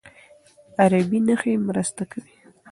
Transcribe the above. عربي نښې مرسته کوي.